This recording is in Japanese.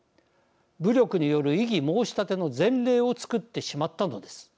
武力による異議申し立ての前例を作ってしまったのです。